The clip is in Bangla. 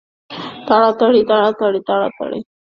তাড়াতাড়ি, তাড়াতাড়ি, তাড়াতাড়ি, তাড়াতাড়ি!